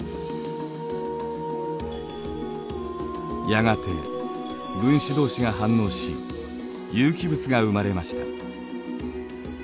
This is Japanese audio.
やがて分子同士が反応し有機物が生まれました。